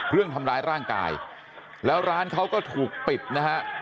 เรื่องทำร้ายร่างกายแล้วร้านเขาก็ถูกปิดนะฮะ